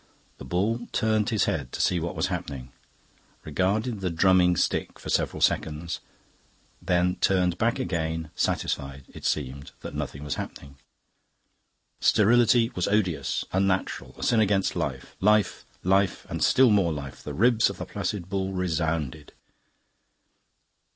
The bull turned his head to see what was happening, regarded the drumming stick for several seconds, then turned back again satisfied, it seemed, that nothing was happening. Sterility was odious, unnatural, a sin against life. Life, life, and still more life. The ribs of the placid bull resounded.